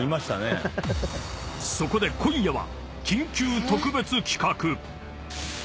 ［そこで今夜は］